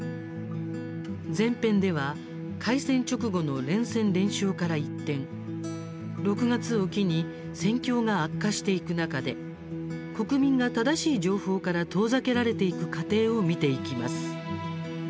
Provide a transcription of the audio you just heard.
前編では、開戦直後の連戦連勝から一転、６月を機に戦況が悪化していく中で国民が正しい情報から遠ざけられていく過程を見ていきます。